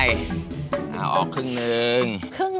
เอาออกครึ่งหนึ่ง